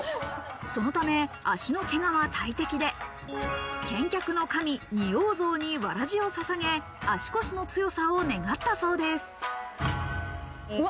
そのため足のけがは大敵で、健脚の神・仁王像にわらじを捧げ、足腰の強さを願ったそうです。